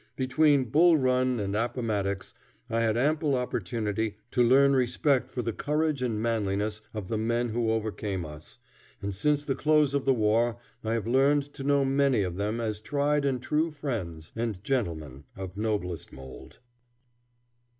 Between Bull Run and Appomattox I had ample opportunity to learn respect for the courage and manliness of the men who overcame us, and since the close of the war I have learned to know many of them as tried and true friends, and gentlemen of noblest mold.